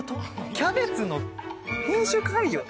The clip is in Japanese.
キャベツの品種改良。